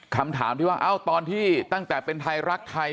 คำถามที่ว่าตอนที่ตั้งแต่เป็นไทยรักไทย